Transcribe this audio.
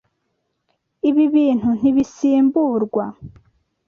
Ibi bintu ntibisimburwa.